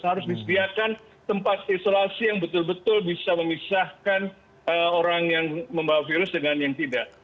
harus disediakan tempat isolasi yang betul betul bisa memisahkan orang yang membawa virus dengan yang tidak